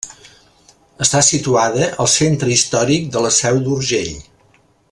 Està situada al Centre històric de la Seu d'Urgell.